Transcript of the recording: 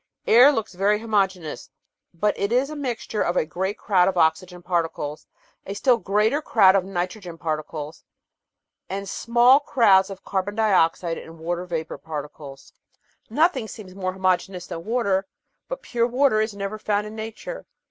Air looks very homogeneous, but it is a mixture of a great crowd of oxygen particles, a still greater crowd of nitrogen particles, and small crowds of carbon dioxide and water vapour particles. Nothing 720 The Outline of Science seems more homogeneous than water, but pure water is never found in nature.